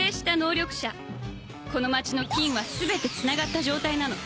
この街の金は全てつながった状態なの